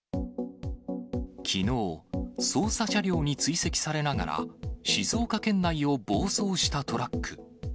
きのう、捜査車両に追跡されながら、静岡県内を暴走したトラック。